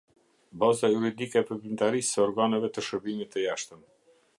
Baza juridike e veprimtarisë së organeve të shërbimit të jashtëm.